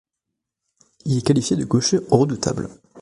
Il est qualifié de gaucher redoutable.